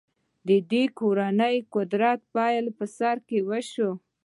د دې کورنۍ قدرت پیل په سر کې وشو.